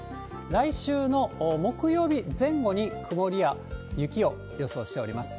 来週の木曜日前後に曇りや雪を予想しております。